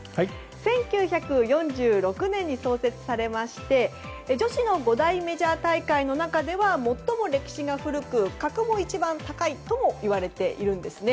１９４６年に創設されまして女子の五大メジャー大会の中では最も歴史が古く格も一番高いともいわれているんですね。